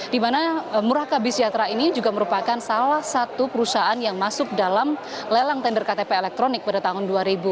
dimana muraka bisjatra ini juga merupakan salah satu perusahaan yang masuk dalam lelang tender ktp elektronik pada tahun dua ribu sepuluh